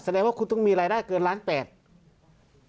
แสดงคุณอยากจะต้องมีรายได้เกิน๑๘ล้านบาทต่อไป